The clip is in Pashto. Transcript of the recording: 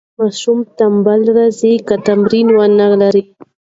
ماشوم ټنبل راځي که تمرکز ونلري.